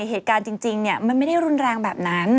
เหตุการณ์จริงมันไม่ได้รุนแรงแบบนั้น